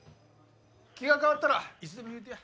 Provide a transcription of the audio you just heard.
気が変わったらいつでも言うてや。